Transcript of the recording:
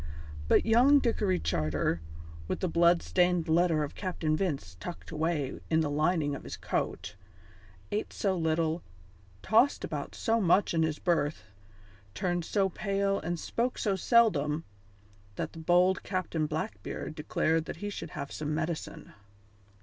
But young Dickory Charter, with the blood stained letter of Captain Vince tucked away in the lining of his coat, ate so little, tossed about so much in his berth, turned so pale and spoke so seldom, that the bold Captain Blackbeard declared that he should have some medicine.